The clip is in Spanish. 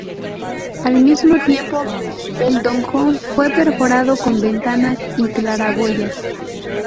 Al mismo tiempo, el donjon fue perforado con ventanas y claraboyas.